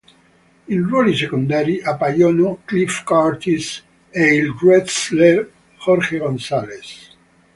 In ruoli secondari appaiono Cliff Curtis e il wrestler Jorge González.